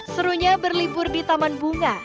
serunya berlibur di taman bunga